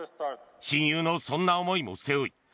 親友のそんな思いも背負い